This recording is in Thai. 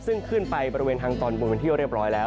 ซึ่งขึ้นไปบริเวณทางตอนบนเป็นที่เรียบร้อยแล้ว